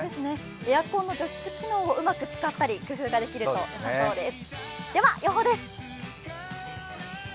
エアコンの除湿機能をうまく使ったり工夫ができるといいそうです。